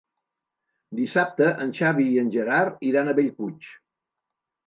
Dissabte en Xavi i en Gerard iran a Bellpuig.